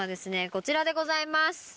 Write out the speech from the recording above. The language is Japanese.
こちらでございます。